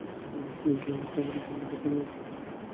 কিন্তু এইবার শহরের মেয়ের সাথে করিয়েছি।